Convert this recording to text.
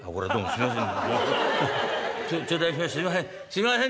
すいません